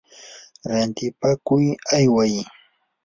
rantipakuq ayway.